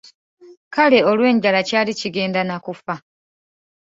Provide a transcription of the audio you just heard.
Kale olw’enjala ky’ali kigenda nakufa.